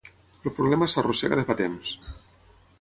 El problema s’arrossega de fa temps.